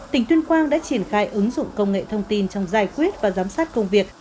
tỉnh tuyên quang đã triển khai ứng dụng công nghệ thông tin trong giải quyết và giám sát công việc